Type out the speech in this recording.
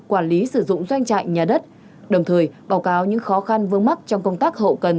quản lý sử dụng doanh trại nhà đất đồng thời báo cáo những khó khăn vương mắc trong công tác hậu cần